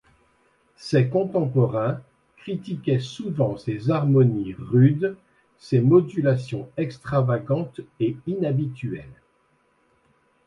Ses contemporains critiquaient souvent ses harmonies rudes, ses modulations extravagantes et inhabituelles.